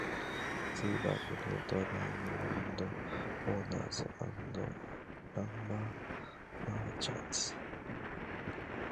They were great landowners and lumber merchants.